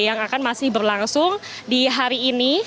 yang akan masih berlangsung di hari ini